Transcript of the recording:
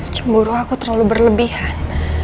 cemburu aku terlalu berlebihan